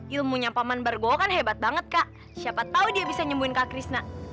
ilmunya paman bargowo kan hebat banget kak siapa tau dia bisa nyembuhin kak krishna